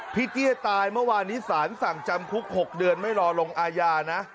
เกี้ยตายเมื่อวานนี้สารสั่งจำคุก๖เดือนไม่รอลงอาญานะ